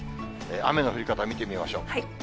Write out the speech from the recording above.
雨の降り方を見てみましょう。